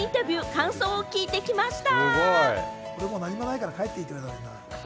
感想を聞いてきました。